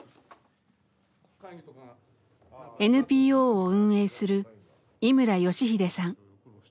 ＮＰＯを運営する井村良英さん。